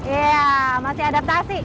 ya masih adaptasi